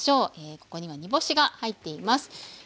ここには煮干しが入っています。